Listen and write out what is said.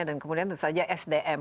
dan kemudian itu saja sdm